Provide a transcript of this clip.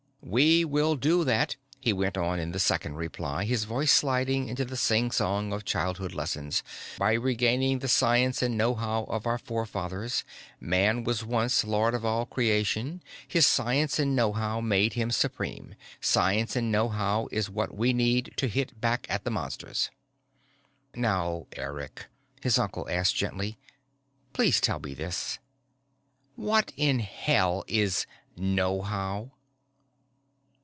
"We will do that," he went on in the second reply, his voice sliding into the singsong of childhood lessons, "_by regaining the science and knowhow of our fore fathers. Man was once Lord of all Creation: his science and knowhow made him supreme. Science and knowhow is what we need to hit back at the Monsters._" "Now, Eric," his uncle asked gently. "Please tell me this. What in hell is knowhow?"